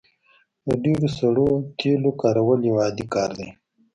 د ډیرو سړو تیلو کارول یو عادي کار دی